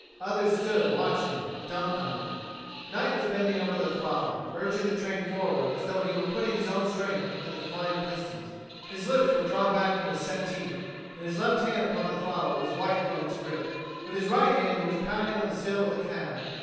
Others stood watching, dumfounded. Knight was bending over the throttle, urging the train forward as though he were putting his own strength into the flying pistons. His lips were drawn back from his set teeth, and his left hand upon the throttle was white from its grip. With his right hand he was pounding upon the sill of the cab.